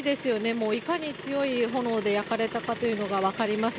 もういかに強い炎で焼かれたというのが分かります。